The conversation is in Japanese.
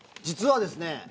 実はですね